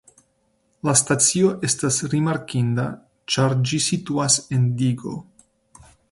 La stacio estas rimarkinda ĉar ĝi situas en digo.